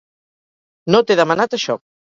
No t'he demanat això.